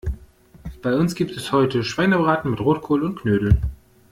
Bei uns gibt es heute Schweinebraten mit Rotkohl und Knödel.